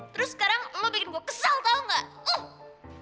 terus sekarang lo bikin gue kesal tau gak